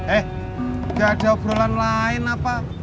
eh gak ada obrolan lain apa